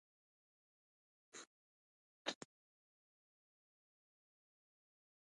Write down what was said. دوی په هر سکتور کې کار کوي.